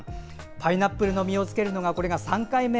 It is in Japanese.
パイナップルの実をつけるのはこれが３回目。